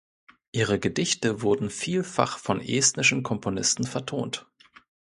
Ihre Gedichte wurden vielfach von estnischen Komponisten vertont.